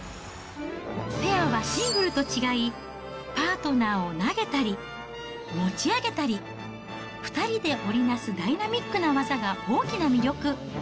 ペアはシングルと違い、パートナーを投げたり、持ち上げたり、２人で織り成すダイナミックな技が大きな魅力。